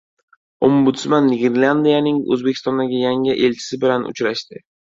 Ombudsman Niderlandiyaning O‘zbekistondagi yangi elchisi bilan uchrashdi